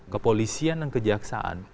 kepolisian dan kejaksaan